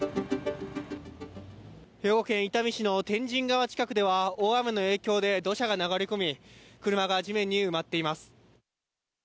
兵庫県伊丹市の天神川近くでは大雨の影響で土砂が流れ込み車が地面に埋まっています。